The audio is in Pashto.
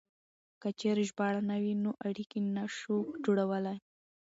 که چېرې ژباړه نه وي نو اړيکې نه شو جوړولای.